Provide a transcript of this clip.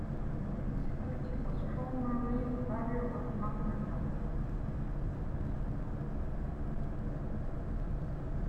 The municipality was formerly a barrio of Mangaldan.